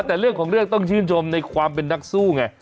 แต่เรื่องของเรื่องต้องชื่นชมในความเป็นนักสู้ไง